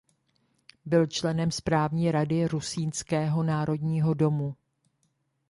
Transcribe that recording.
Byl členem správní rady rusínského národního domu.